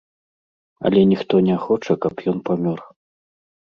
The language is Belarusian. Але ніхто не хоча, каб ён памёр.